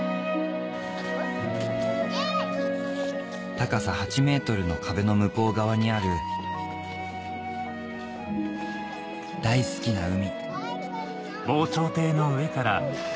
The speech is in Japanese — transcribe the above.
高さ８ｍの壁の向こう側にある大好きな海